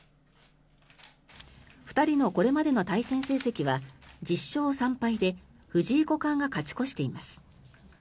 ２人のこれまでの対戦成績は１０勝３敗で藤井五冠が勝ち越しています。